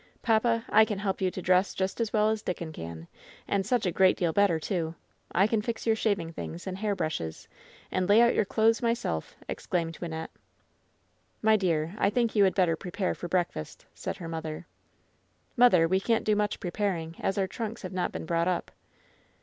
Papa, I can help you to dress just as well as Dickon can — and a great deal better, too. I can fix your shaving things and hair brushes, and lay out your clothes myself!" exclaimed Wynnette. "My dear, I think you had better prepare for break fast," said her mother, "Mother, we can't do much preparing, as our trunks have not been brought up."